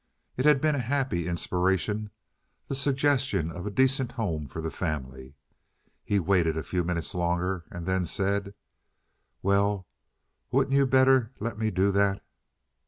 It had been a happy inspiration—the suggestion of a decent home for the family. He waited a few minutes longer, and then said: "Well, wouldn't you better let me do that?"